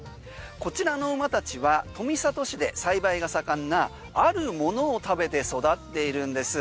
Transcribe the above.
こちらの馬たちは富里市で栽培が盛んなあるものを食べて育っているんです。